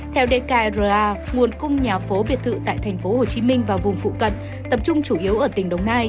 theo dkra nguồn cung nhà phố biệt thự tại thành phố hồ chí minh và vùng phụ cận tập trung chủ yếu ở tỉnh đồng nai